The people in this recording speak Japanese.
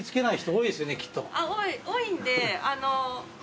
多いんで。